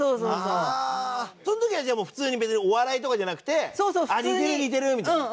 ああその時はじゃあもう普通に別にお笑いとかじゃなくてあっ似てる似てる！みたいな。